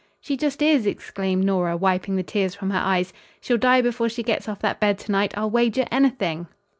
"She just is," exclaimed Nora, wiping the tears from her eyes. "She'll die before she gets off that bed to night, I'll wager anything."